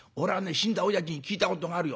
死んだおやじに聞いたことがあるよ。